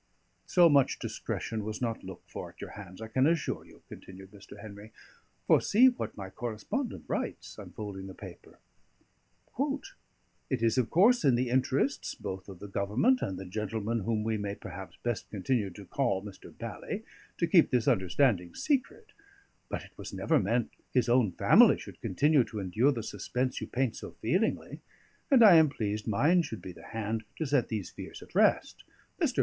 "So much discretion was not looked for at your hands, I can assure you," continued Mr. Henry. "For see what my correspondent writes" unfolding the paper "'It is, of course, in the interests both of the Government and the gentleman whom we may perhaps best continue to call Mr. Bally, to keep this understanding secret; but it was never meant his own family should continue to endure the suspense you paint so feelingly; and I am pleased mine should be the hand to set these fears at rest. Mr.